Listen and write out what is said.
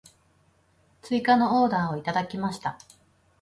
追加のオーダーをいただきました。